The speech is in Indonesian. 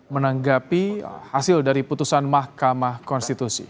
menanggapi hasil dari putusan mahkamah konstitusi